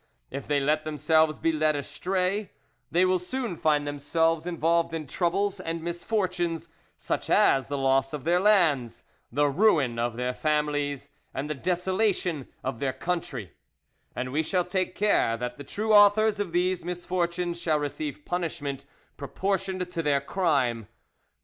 If they let themselves be led astray, they will soon find themselves involved in troubles and misfortunes, such as the loss of their lands, the ruin of their families, and the desolation of their country; and we shall take care that the true authors of these misfortunes shall receive punishment proportioned to their crime.